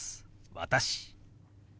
「私」。